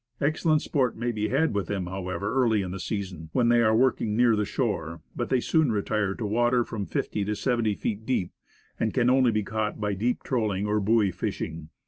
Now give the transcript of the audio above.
Excellent sport may be had with them, however, early in the season, when they are working near the shore, but they soon retire to water from fifty to seventy feet deep, and can only be caught by deep trolling or buoy fishing.